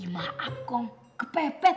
maaf kong kepepet